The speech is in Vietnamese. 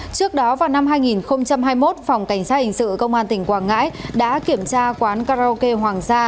trước đó vào năm hai nghìn hai mươi một phòng cảnh sát hình sự công an tỉnh quảng ngãi đã kiểm tra quán karaoke hoàng gia